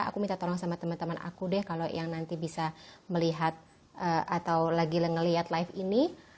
aku minta tolong sama teman teman aku deh kalau yang nanti bisa melihat atau lagi ngelihat live ini